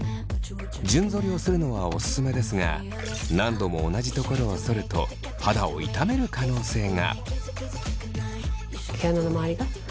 順ぞりをするのはおすすめですが何度も同じところをそると肌を痛める可能性が。